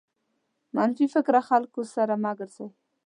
منفي فکره خلکو سره مه ګرځٸ.